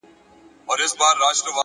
د چا د زړه ازار يې په څو واره دی اخيستی.